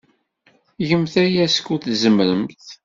Gemt aya skud tzemremt.